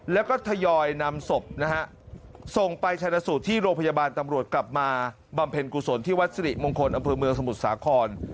แล้วก็ทยอยนำศพนะฮะส่งไปชนะสูตรที่โรงพยาบาลตำรวจกลับมาบำเพ็ญกุศลที่วัดสิริมงคลอำเภอเมืองสมุทรสาคร